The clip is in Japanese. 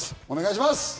お願いします。